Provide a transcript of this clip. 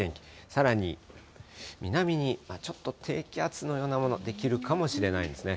さらに南にちょっと低気圧のようなもの、出来るかもしれないですね。